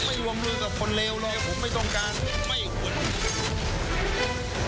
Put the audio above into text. ผมไม่วงรู้กับคนเลวหรอกผมไม่ต้องการไม่ควร